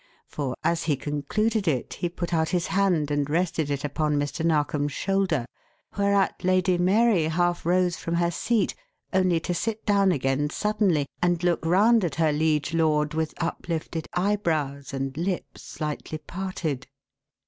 For, as he concluded it, he put out his hand and rested it upon Mr. Narkom's shoulder, whereat Lady Mary half rose from her seat, only to sit down again suddenly and look round at her liege lord with uplifted eyebrows and lips slightly parted.